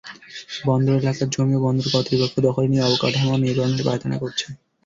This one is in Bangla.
বন্দর এলাকার জমিও বন্দর কর্তৃপক্ষ দখলে নিয়ে অবকাঠামো নির্মাণের পাঁয়তারা করছে।